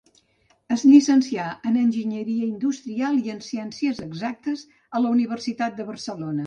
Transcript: Es llicencià en enginyeria industrial i en ciències exactes a la Universitat de Barcelona.